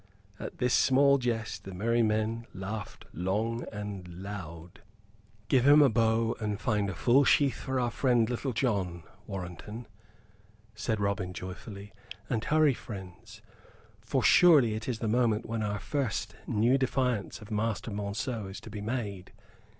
At this small jest the merry men laughed long and loud. "Give him a bow and find a full sheath for our friend Little John, Warrenton," said Robin, joyfully. "And hurry, friends, for surely it is the moment when our first new defiance of Master Monceux is to be made?